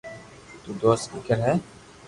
تو دوست ڪيڪر ھي